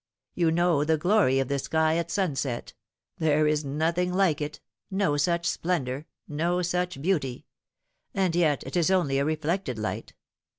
You know the glory of the sky at sunset there is nothing like it, no such splendour, no such beauty and yet it is only a reflected light.